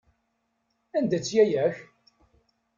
Anda-tt yaya-k?